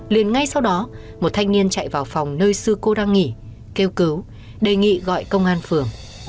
liền ngay sau đó một thanh niên chạy vào phòng nơi sư cô đang nghỉ kêu cứu đề nghị gọi công an phường